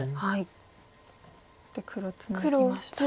そして黒ツナぎました。